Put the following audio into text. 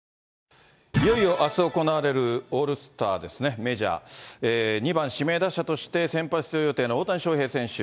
いよいよあす行われるオールスターですね、メジャー、２番指名打者として、先発出場予定の大谷翔平選手。